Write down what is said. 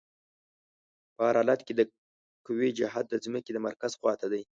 په هر حالت کې د قوې جهت د ځمکې د مرکز خواته دی.